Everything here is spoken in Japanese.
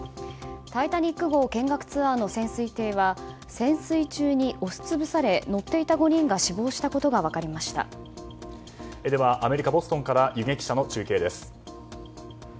「タイタニック号」見学ツアーの潜水艇は潜水中に押し潰され乗っていた５人がでは、アメリカ・ボストンから弓削記者の中継です。